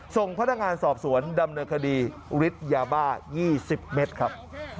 ส่งพันธงาสอบสวนดำเนื้อคดีฤทยาบาล๒๐เมตรครับ